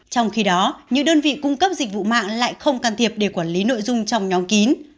trong khi đó những đơn vị cung cấp dịch vụ mạng lại không can thiệp để quản lý nội dung trong nhóm kín